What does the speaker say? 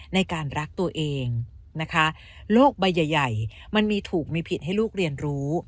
ในการรักตัวเองนะคะโลกใบใหญ่มันมีถูกมีผิดให้ลูกเรียนรู้